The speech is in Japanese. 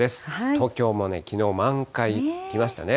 東京もきのう、満開きましたね。